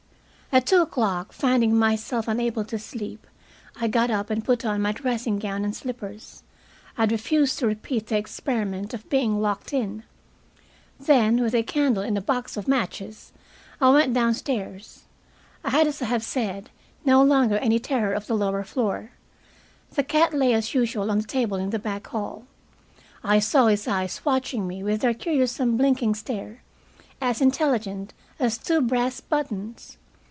At two o'clock, finding myself unable to sleep, I got up and put on my dressing gown and slippers. I had refused to repeat the experiment of being locked in. Then, with a candle and a box of matches, I went downstairs. I had, as I have said, no longer any terror of the lower floor. The cat lay as usual on the table in the back hall. I saw his eyes watching me with their curious unblinking stare, as intelligent as two brass buttons.